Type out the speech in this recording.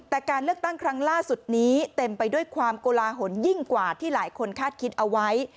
แต่การเลือกตั้งครั้งล่าสุดนี้เต็มไปด้วยความโกลาหลยิ่งกว่าที่หลายคนคาดคิดเอาไว้